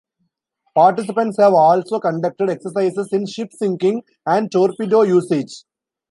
Participants have also conducted exercises in ship-sinking and torpedo usage.